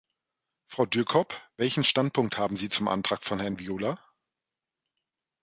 Frau Dührkop, welchen Standpunkt haben Sie zum Antrag von Herrn Viola?